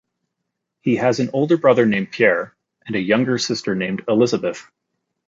He has an older brother named Pierre and a younger sister named Elizabeth.